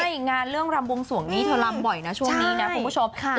ใช่งานเรื่องรำวงสวงนี้เธอรำบ่อยนะช่วงนี้นะคุณผู้ชม